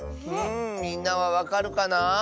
みんなはわかるかな？